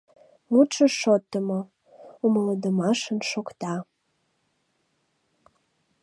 Мутшо шотдымо, умылыдымашын шокта.